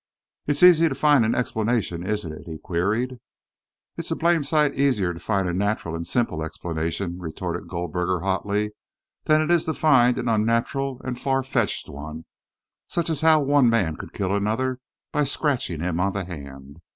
"It's easy to find explanations, isn't it?" he queried. "It's a blamed sight easier to find a natural and simple explanation," retorted Goldberger hotly, "than it is to find an unnatural and far fetched one such as how one man could kill another by scratching him on the hand.